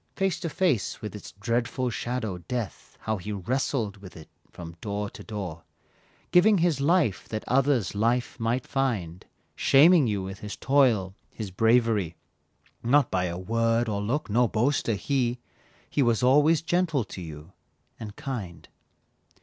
Face to face with its dreadful shadow, death, How he wrestled with it from door to door, Giving his life that others life might find, Shaming you with his toil, his bravery, Not by a word or look, no boaster he, He was always gentle to you, and kind.